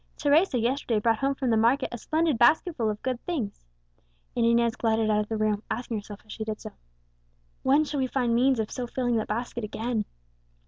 "Teresa yesterday brought home from the market a splendid basketful of good things." And Inez glided out of the room, asking herself as she did so, "When shall we find means of so filling that basket again?"